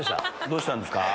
どうしたんですか？